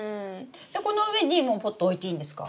この上にもうポット置いていいんですか？